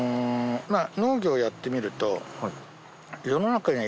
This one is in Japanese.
農業をやってみると。